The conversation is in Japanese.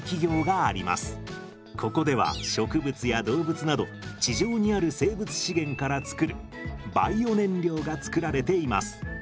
ここでは植物や動物など地上にある生物資源から作るバイオ燃料が作られています。